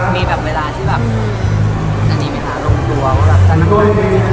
มีแบบเวลาที่แบบอืมอันนี้เวลาลงทัวร์